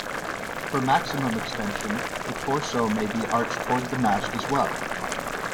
For maximum extension, the torso may be arched toward the mast as well.